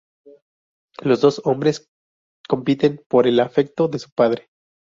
Los dos hombres compiten por el afecto de su padre.